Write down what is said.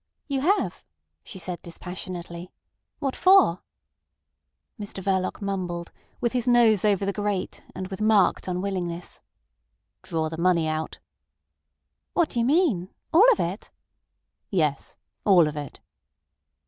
"You have!" she said dispassionately. "What for?" Mr Verloc mumbled, with his nose over the grate, and with marked unwillingness. "Draw the money out!" "What do you mean? All of it?" "Yes. All of it."